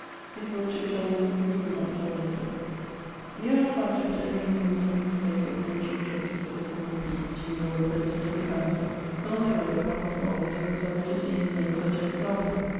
His lordship told them, 'He would not sell his feathers.' The earle of Manchester being removed from his place of Lord Chiefe Justice of the Common Pleas to be Lord President of the Councell, told my lord (upon his fall) that he was sorry to see him made such an example.